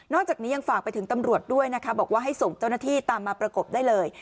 จากนี้ยังฝากไปถึงตำรวจด้วยนะคะบอกว่าให้ส่งเจ้าหน้าที่ตามมาประกบได้เลย